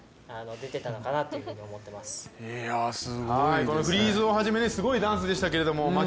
このフリーズをはじめすごいダンスでしたけど。